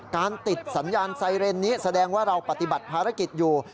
ติดสัญญาณไซเรนนี้แสดงว่าเราปฏิบัติภารกิจอยู่